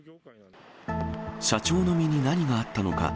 社長の身に何があったのか。